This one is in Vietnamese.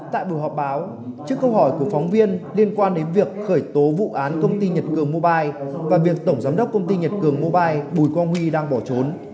tại buổi họp báo trước câu hỏi của phóng viên liên quan đến việc khởi tố vụ án công ty nhật cường mobile và việc tổng giám đốc công ty nhật cường mobile bùi quang huy đang bỏ trốn